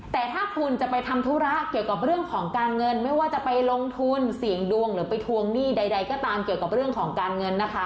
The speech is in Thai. แต่ถ้าคุณจะไปทำธุระเกี่ยวกับเรื่องของการเงินไม่ว่าจะไปลงทุนเสี่ยงดวงหรือไปทวงหนี้ใดก็ตามเกี่ยวกับเรื่องของการเงินนะคะ